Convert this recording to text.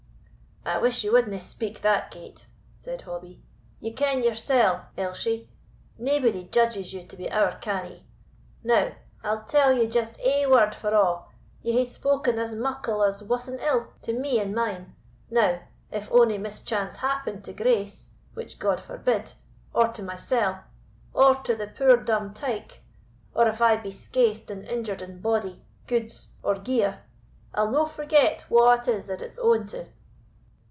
"I wish ye wadna speak that gate," said Hobbie. "Ye ken yoursell, Elshie, naebody judges you to be ower canny; now, I'll tell ye just ae word for a' ye hae spoken as muckle as wussing ill to me and mine; now, if ony mischance happen to Grace, which God forbid, or to mysell; or to the poor dumb tyke; or if I be skaithed and injured in body, gudes, or gear, I'll no forget wha it is that it's owing to."